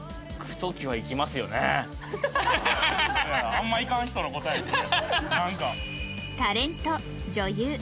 あんまいかん人の答えですね。